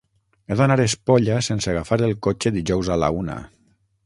He d'anar a Espolla sense agafar el cotxe dijous a la una.